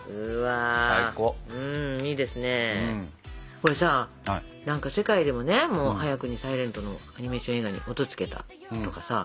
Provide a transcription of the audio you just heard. これさ世界でもね早くにサイレントのアニメーション映画に音つけたとかさ